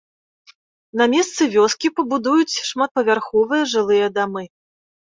На месцы вёскі пабудуюць шматпавярховыя жылыя дамы.